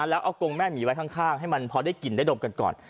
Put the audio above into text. แล้วเอากงแม่หมีไว้ข้างให้มันพอได้กลิ่นได้ดมกันก่อน